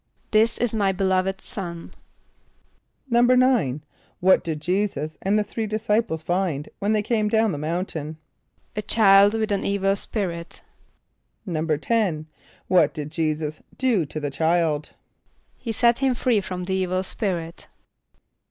="This is my beloved Son."= =9.= What did J[=e]´[s+]us and the three disciples find when they came down the mountain? =A child with an evil spirit.= =10.= What did J[=e]´[s+]us do to the child? =He set him free from the evil spirit.